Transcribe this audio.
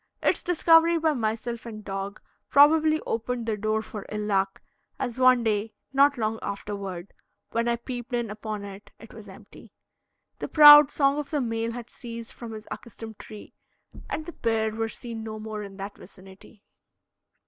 Its discovery by myself and dog probably opened the door for ill luck, as one day, not long afterward, when I peeped in upon it, it was empty. The proud song of the male had ceased from his accustomed tree, and the pair were seen no more in that vicinity.